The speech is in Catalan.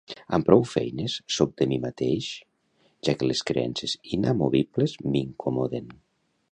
Amb prou feines soc de mi mateix, ja que les creences inamovibles m'incomoden.